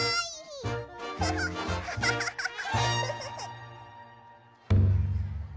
ハハッ！ハハハハッ！